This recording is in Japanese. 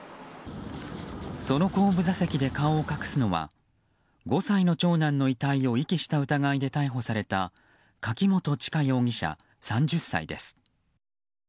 その後部座席で顔を隠すのは５歳の長男の遺体を遺棄した疑いで逮捕された柿本知香容疑者、３０歳です。